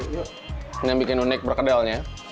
ini yang bikin unik perkedelnya